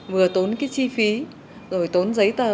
vừa tốn chi phí rồi tốn giấy tờ